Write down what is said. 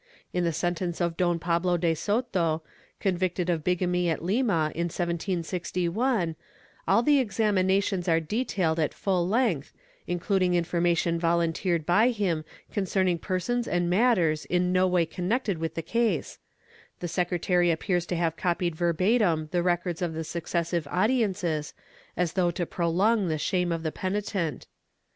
^ In the sentence of Don Pablo de Soto, con victed of bigamy at Lima, in 1761, all the examinations are detailed at full length, including information volunteered by him concerning persons and matters in no way connected with the case; the secretary appears to have copied verbatim the records of the successive audiences, as though to prolong the shame of the penitent.